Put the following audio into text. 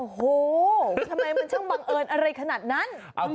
โอ้โหทำไมมันช่างบังเอิญอะไรขนาดนั้น